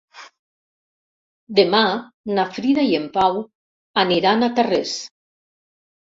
Demà na Frida i en Pau aniran a Tarrés.